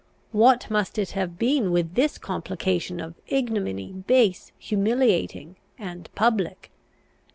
What must it have been with this complication of ignominy, base, humiliating, and public?